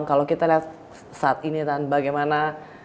kalau kita lihat saat ini dan bagaimana